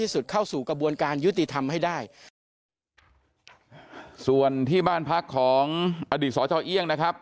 ส่วนที่บ้านพักของอดีตสเจ้าเอี่ยง